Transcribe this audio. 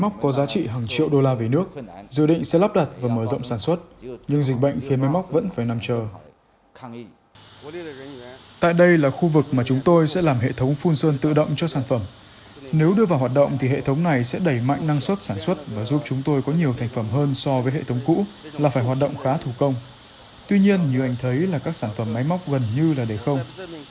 tuy nhiên như anh thấy là các sản phẩm máy móc gần như là đầy không